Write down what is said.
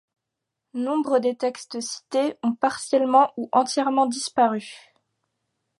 Nombre des textes cités ont partiellement ou entièrement disparu.